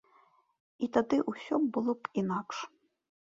І тады ўсё было б інакш.